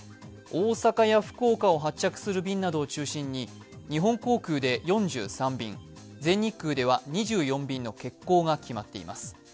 大阪や福岡を発着する便などを中心に日本航空で４３便、全日空では２４便の欠航が決まっています。